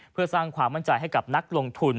เพื่อสร้างความมั่นใจให้กับนักลงทุน